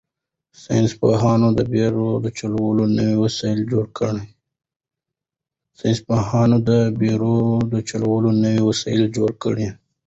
ساینس پوهانو د بېړیو د چلولو نوي وسایل جوړ کړل.